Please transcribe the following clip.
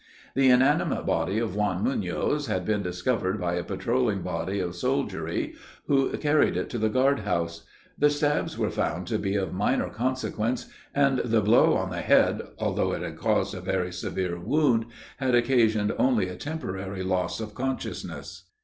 The inanimate body of Juan Munoz had been discovered by a patrolling body of soldiery, who carried it to the guard house. The stabs were found to be of minor consequence, and the blow on the head, although it had caused a very severe wound, had occasioned only a temporary loss of consciousness.